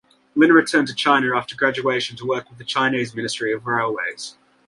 Lin returned to China after graduation to work with the Chinese Ministry of Railways.